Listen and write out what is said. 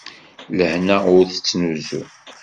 Lehna ur tettnuzu.